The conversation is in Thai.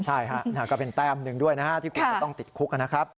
ใช่ฮะก็เป็นแต้มหนึ่งด้วยนะฮะที่คุณจะต้องติดคุกนะครับ